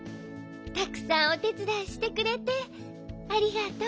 たくさんおてつだいしてくれてありがとう。